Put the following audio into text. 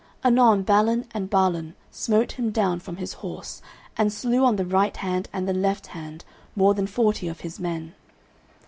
Anon Balin and Balan smote him down from his horse, and slew on the right hand and the left hand more than forty of his men.